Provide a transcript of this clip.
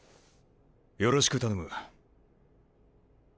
よろしく頼む。